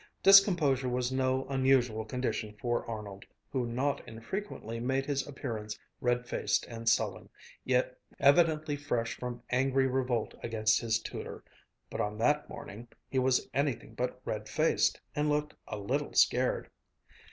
Discomposure was no unusual condition for Arnold, who not infrequently made his appearance red faced and sullen, evidently fresh from angry revolt against his tutor, but on that morning he was anything but red faced, and looked a little scared.